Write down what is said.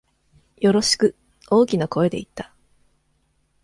よろしく、大きな声で言った。